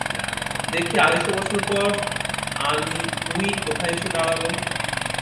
দেখি, আড়াইশো বছর পরে আনউই কোথায় এসে দাঁড়ালো।